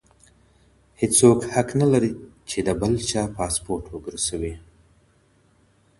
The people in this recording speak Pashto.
هیڅوک حق نه لري چي د بل چا پاسپورټ وګرځوي.